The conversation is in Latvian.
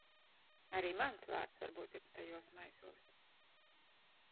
Arī mans vārds varbūt ir tajos maisos.